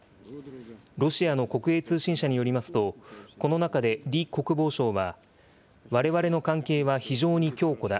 ロシアの国営通信社によりますと、この中で李国防相は、われわれの関係は非常に強固だ。